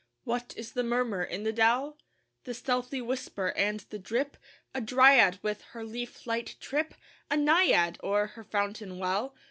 What is the murmur in the dell? The stealthy whisper and the drip? A Dryad with her leaf light trip? A Naiad o'er her fountain well?